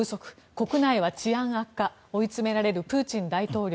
国内は治安悪化追いつめられるプーチン大統領。